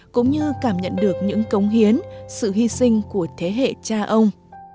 cũng như cảm nhận được những cống hiến sự hy sinh của thế hệ cha ông